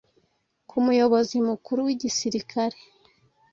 ku muyobozi mukuru w’Igisirikare